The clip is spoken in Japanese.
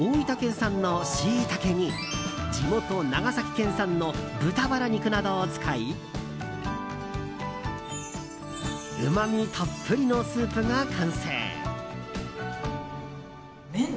産のシイタケに地元・長崎県産の豚バラ肉などを使いうまみたっぷりのスープが完成。